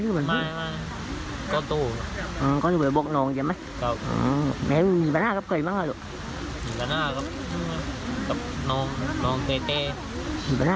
หินตาหน้ากับหยานนะ